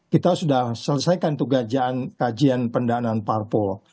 kita sudah selesaikan tugas kajian pendanaan parpol